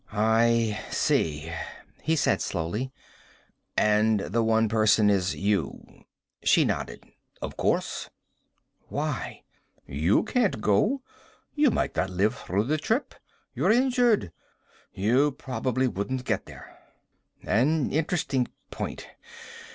"I see," he said slowly. "And the one person is you." She nodded. "Of course." "Why?" "You can't go. You might not live through the trip. You're injured. You probably wouldn't get there." "An interesting point.